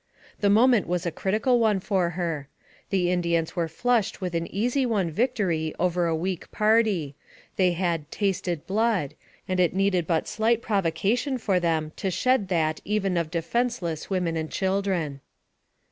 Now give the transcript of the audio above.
The moment was a critical one for her. The Indians were flushed with an easy won victory over a weak party; they had "tasted blood/' and it needed but slight provocation for them to shed that even of de fenseless women and children.